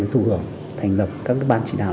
để thu hưởng thành lập các ban chỉ đạo